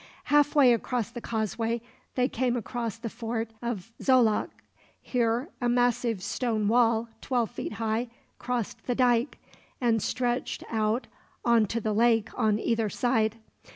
Halfway across the causeway they came upon the fort of Xoloc. Here a massive stone wall, twelve feet high, crossed the dike, and stretched out on to the lake on either side.